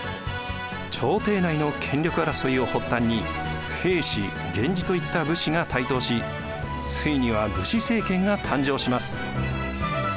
朝廷内の権力争いを発端に平氏源氏といった武士が台頭しついには武士政権が誕生します。